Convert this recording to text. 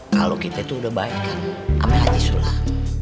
kalau kita itu udah baik kan sama haji sulam